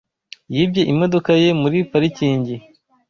Yibye imodoka ye muri parikingi.